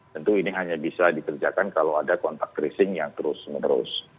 tentu ini hanya bisa dikerjakan kalau ada kontak tracing yang terus menerus